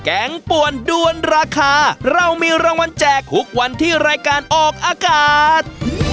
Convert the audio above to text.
งป่วนด้วนราคาเรามีรางวัลแจกทุกวันที่รายการออกอากาศ